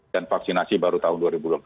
dan vaksinasi baru tahun dua ribu dua puluh satu